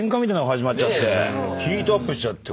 ヒートアップしちゃって。